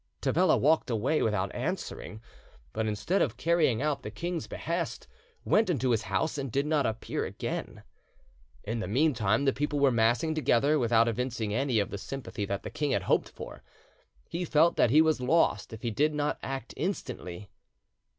Tavella walked away without answering, but instead of carrying out the king's behest, went into his house, and did not appear again. In the meantime the people were massing together without evincing any of the sympathy that the king had hoped for. He felt that he was lost if he did not act instantly.